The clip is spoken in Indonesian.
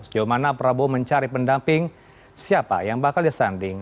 sejauh mana prabowo mencari pendamping siapa yang bakal disanding